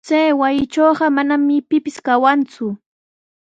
Chay wasitrawqa manami pipis kawanku.